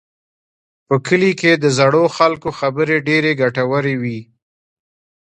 په کلي کې د زړو خلکو خبرې ډېرې ګټورې وي.